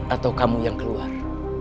atau kamu yang keluar